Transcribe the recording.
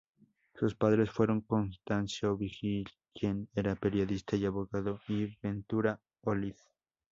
Sus padres fueron Constancio Vigil, quien era periodista y abogado, y Ventura Olid.